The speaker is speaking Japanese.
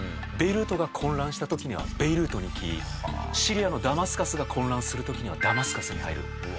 ベイルートが混乱した時にはベイルートに行きシリアのダマスカスが混乱する時にはダマスカスに入る。